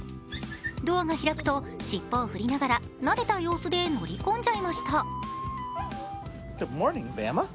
ドアが開くと尻尾を振りながら慣れた様子で乗り込んじゃいました。